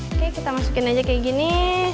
oke kita masukin aja kayak gini